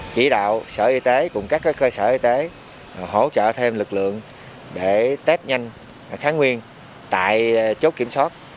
chỉ đạo sở y tế cùng các cơ sở y tế hỗ trợ thêm lực lượng để test nhanh kháng nguyên tại chốt kiểm soát